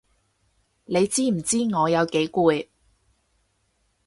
你知唔知我有幾攰？